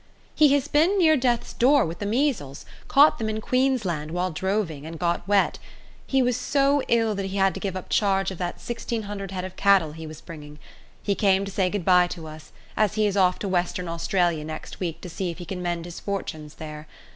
He has been near death's door with the measles caught them in Queensland while droving, and got wet. He was so ill that he had to give up charge of that 1600 head of cattle he was bringing. He came to say good bye to us, as he is off to Western Australia next week to see if he can mend his fortunes there.